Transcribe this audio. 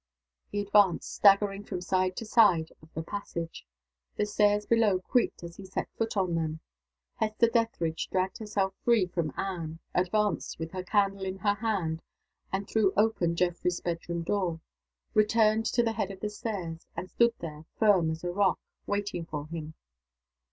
He advanced, staggering from side to side of the passage. The stairs below creaked as he set his foot on them. Hester Dethridge dragged herself free from Anne, advanced, with her candle in her hand, and threw open Geoffrey's bedroom door; returned to the head of the stairs; and stood there, firm as a rock, waiting for him.